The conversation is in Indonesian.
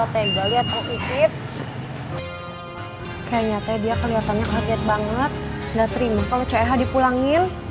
kayaknya dia kelihatannya kaget banget nggak terima kalau ch dipulangin